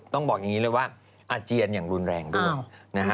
ต้องบอกอย่างนี้เลยว่าอาเจียนอย่างรุนแรงด้วยนะฮะ